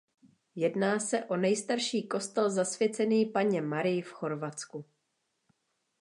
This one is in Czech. Jedná se o nejstarší kostel zasvěcený Panně Marii v Chorvatsku.